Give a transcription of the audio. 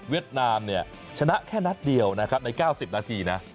เวียดนามชนะแค่นัดเดียวนะครับใน๙๐นาทีนะ